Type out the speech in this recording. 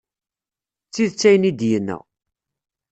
D tidet ayen i d-yenna.